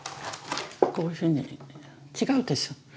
こういうふうに違うでしょう。